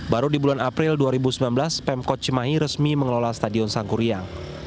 baru di bulan april dua ribu sembilan belas pemkot cimahi resmi mengelola stadion sangkuriang